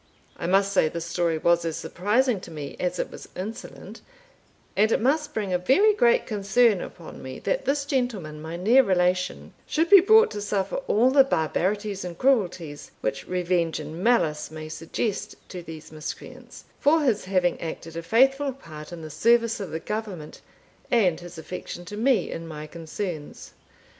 I must say this story was as surprising to me as it was insolent; and it must bring a very great concern upon me, that this gentleman, my near relation, should be brought to suffer all the barbaritys and crueltys, which revenge and mallice may suggest to these miscreants, for his haveing acted a faithfull part in the service of the Government, and his affection to me in my concerns.